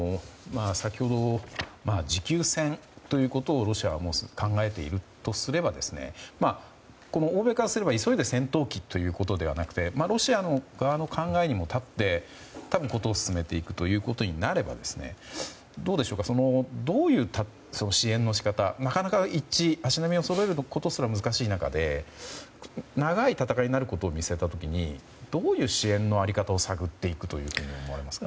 先ほど、持久戦ということをロシアは考えているとすれば欧米からすれば、急いで戦闘機ということではなくてロシア側の考えにも立って事を進めていくということになればどういう支援の仕方なかなか一致足並みをそろえることすら難しい中で長い戦いになることを見据えた時にどういう支援の在り方を探っていくと思われますか？